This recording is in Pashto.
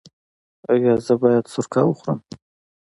ایا زه باید سرکه وخورم؟